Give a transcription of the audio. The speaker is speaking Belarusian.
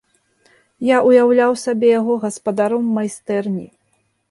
Я ўяўляў сабе яго гаспадаром майстэрні.